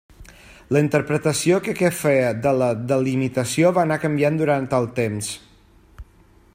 La interpretació que aquest feia de la delimitació va anar canviant durant el temps.